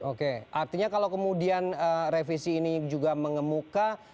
oke artinya kalau kemudian revisi ini juga mengemuka